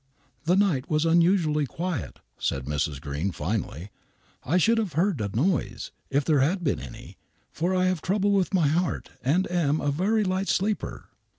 " The night was unusually quiet," said Mrs. Green, finally. " I should have heard a noise, if there had been any, for I have trouble with my heart, and am a very light sleeper."